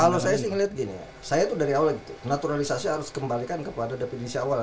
kalau saya sih ngelihat gini saya tuh dari awal naturalisasi harus kembalikan kepada definisi awal